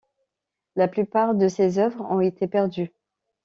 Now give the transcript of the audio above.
La plupart de ses œuvres ont été perdues.